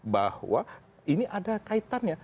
bahwa ini ada kaitannya